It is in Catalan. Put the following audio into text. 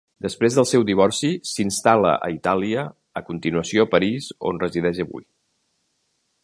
Després del seu divorci, s'instal·la a Itàlia, a continuació a París on resideix avui.